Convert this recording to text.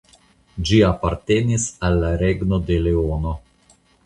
Ĝi apartenis al la Regno de Leono.